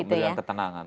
iya memberikan ketenangan